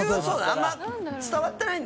あんまり伝わってないんだよね。